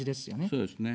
そうですね。